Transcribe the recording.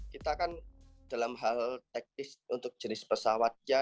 kita kan dalam hal teknis untuk jenis pesawatnya